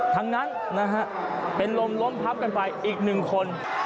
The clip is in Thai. ทั้งนั้นนะฮะเป็นลมล้มพับกันไปอีกหนึ่งคน